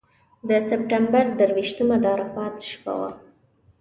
د سپټمبر درویشتمه د عرفات شپه وه.